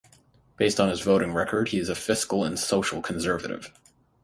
Based on his voting record, he is a fiscal and social conservative.